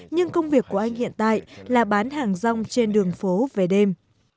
nhưng công việc của anh hiện tại là bán hàng rong trên đường phố về đêm